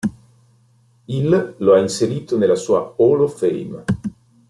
Il lo ha inserito nella sua Hall of fame.